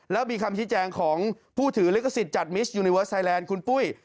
แล้วมีคำชี้แจงของผู้ถือลิขสิทธิ์จัดมิสยูนิเวิร์สไทยแลนด์คุณปุ้ย